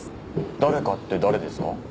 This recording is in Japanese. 誰かって誰ですか？